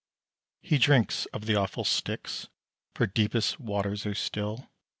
He drinks of the awful Styx, For deepest waters are still.